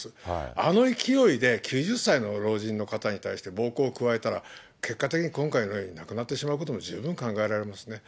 あの勢いで９０歳の老人の方に対して暴行を加えたら、結果的に今回のように亡くなってしまうことも十分考えられますね。